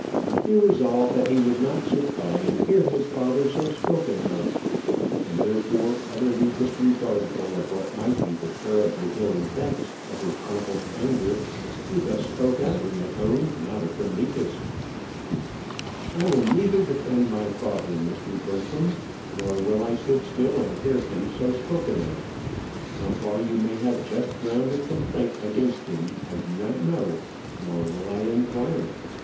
He resolved that he would not sit by and hear his father so spoken of; and, therefore, utterly disregardful of what might be the terribly ill effects of his uncle's anger, he thus spoke out in a tone not of the meekest: "I will neither defend my father, Mr. Bertram; nor will I sit still and hear him so spoken of. How far you may have just ground of complaint against him, I do not know, nor will I inquire.